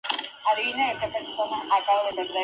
Existe incluso una variante de tipo blindado.